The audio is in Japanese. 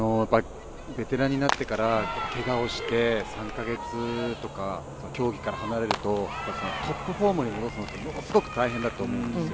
ベテランになってからけがをして３か月とか競技から離れるとトップフォームに戻すのはものすごく大変だと思うんですよ。